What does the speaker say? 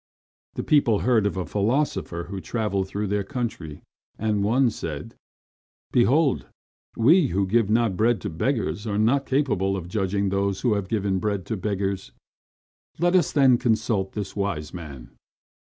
The people heard of a philosopher who travelled through their country, and one said: "Behold, we who give not bread to beggars are not capable of judging those who have given bread to beggars. Let us, then, consult this wise man."